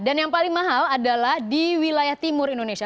dan yang paling mahal adalah di wilayah timur indonesia